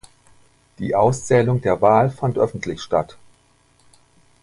Die Auszählung der Wahl fand öffentlich statt.